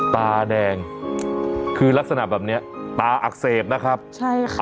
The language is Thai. ตาแดงคือลักษณะแบบเนี้ยตาอักเสบนะครับใช่ค่ะ